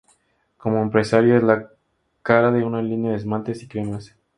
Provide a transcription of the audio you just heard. Como empresaria es la cara de una línea de esmaltes y cremas.